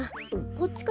こっちか？